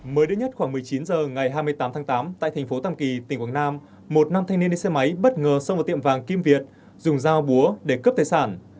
mới đây nhất khoảng một mươi chín h ngày hai mươi tám tháng tám tại thành phố tàm kỳ tỉnh quảng nam một nam thanh niên đi xe máy bất ngờ xông vào tiệm vàng kim việt dùng dao búa để cướp tài sản